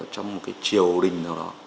trong một cái triều đình nào đó